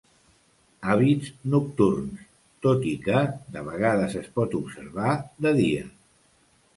Hàbits nocturns, tot i que de vegades es pot observar de dia.